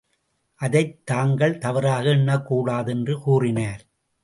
அதைத் தாங்கள் தவறாக எண்ணக் கூடாது என்று கூறினார்.